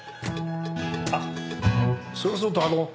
あっそれはそうとあの。